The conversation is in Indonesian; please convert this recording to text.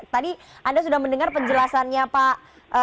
tadi anda sudah mendengar penjelasannya pak